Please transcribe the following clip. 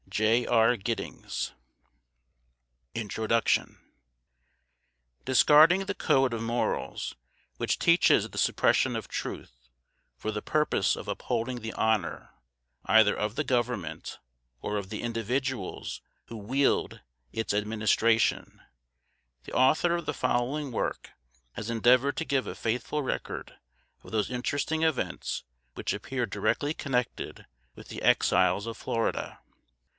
J. R. GIDDINGS. INTRODUCTION. Discarding that code of morals which teaches the suppression of truth, for the purpose of upholding the honor, either of the Government, or of the individuals who wield its administration, the Author of the following work has endeavored to give a faithful record of those interesting events which appear directly connected with the Exiles of Florida.